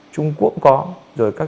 trung quốc cũng vậy